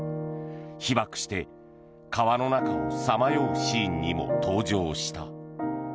被爆して、川の中をさまようシーンにも登場した。